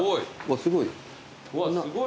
すごい。